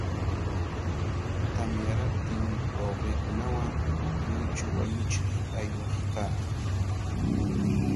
Tamyariptin, wawqiikunawan lluychu wañuchiq aywaq kaa.